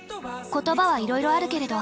言葉はいろいろあるけれど。